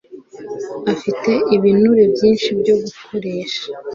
afite ibinure byinshi byo gukoresha